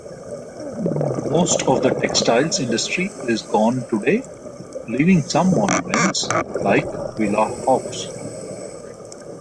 Most of the textiles industry is gone today, leaving some monuments, like Villa Haux.